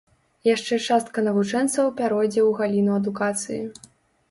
Яшчэ частка навучэнцаў пяройдзе ў галіну адукацыі.